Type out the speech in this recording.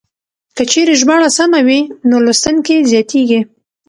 که چېرې ژباړه سمه وي نو لوستونکي زياتېږي.